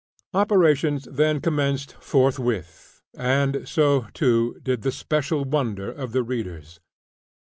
Operations then commenced forthwith, and so, too, did the "special wonder" of the readers.